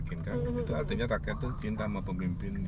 ingin lihat persona itu ternyataschem durante tahun ini